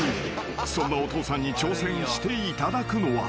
［そんなお父さんに挑戦していただくのは］